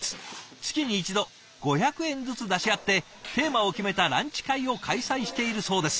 月に一度５００円ずつ出し合ってテーマを決めたランチ会を開催しているそうです。